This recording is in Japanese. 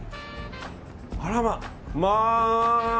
あらま、まあ！